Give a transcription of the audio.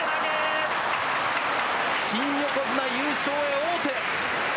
新横綱優勝へ王手。